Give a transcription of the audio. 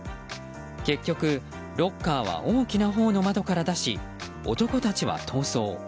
結局、ロッカーは大きなほうの窓から出し男たちは逃走。